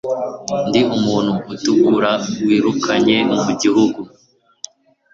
ndi umuntu utukura wirukanye mu gihugu